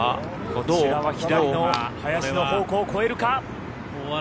こちらは左の林の方向を越えるか。